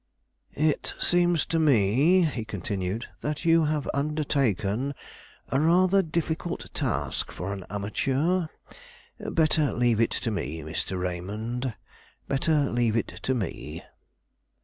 "It seems to me," he continued, "that you have undertaken a rather difficult task for an amateur. Better leave it to me, Mr. Raymond; better leave it to me."